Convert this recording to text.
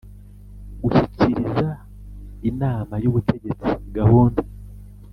Gushyikiriza Inama y Ubutegetsi gahunda